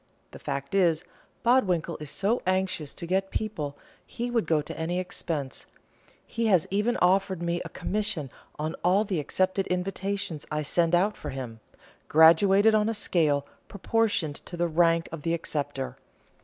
The fact is, Bodwinkle is so anxious to get people, he would go to any expense; he has even offered me a commission on all the accepted invitations I send out for him, graduated on a scale proportioned to the rank of the acceptor.